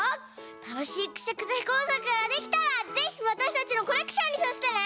たのしいくしゃくしゃこうさくができたらぜひわたしたちのコレクションにさせてね！